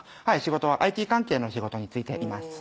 ＩＴ関係の仕事に就いています